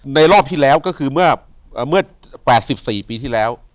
รอบที่แล้วก็คือเมื่อ๘๔ปีที่แล้ว